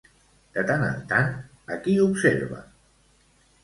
De tant en tant, a qui observa?